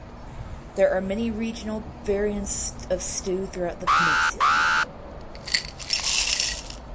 There are many regional variants of stew throughout the peninsula.